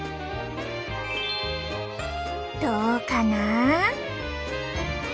どうかな？